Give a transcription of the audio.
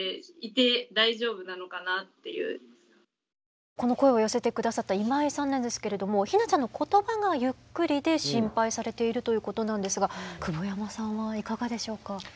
思ったのとこの声を寄せて下さった今井さんなんですけれどもひなちゃんのことばがゆっくりで心配されているということなんですが久保山さんはいかがでしょうか。